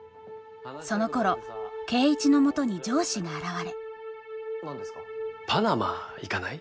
そのころ圭一のもとに上司が現れパナマ行かない？